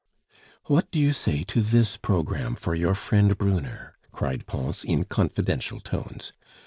"What do you say to this programme for your friend Brunner?" cried Pons in confidential tones.